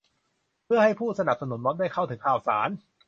เพื่อให้ผู้สนับสนุนม็อบได้เข้าถึงข่าวสาร